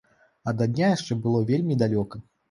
А да дня яшчэ было вельмі далёка.